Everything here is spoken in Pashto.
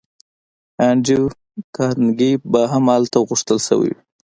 انډریو کارنګي به هم هلته غوښتل شوی وي